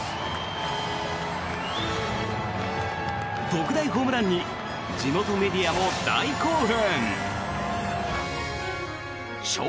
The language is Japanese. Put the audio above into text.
特大ホームランに地元メディアも大興奮。